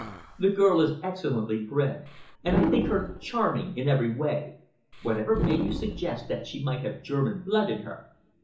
The girl is excellently bred, and I think her charming in every way. Whatever made you suggest that she might have German blood in her?"